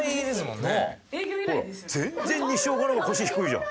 ほら全然にしおかの方が腰低いじゃん。